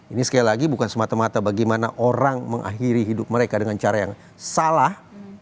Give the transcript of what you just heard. ini sekali lagi bukan semata mata bagaimana orang mengakhiri hidup mereka dengan cara yang salah